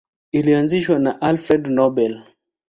Ilianzishwa na Alfred Nobel.